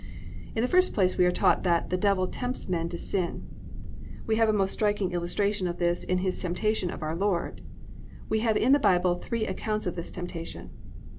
1. In the first place we are taught that the Devil tempts men to sin. We have a most striking illustration of this in his temptation of our Lord. We have in the Bible three accounts of this temptation.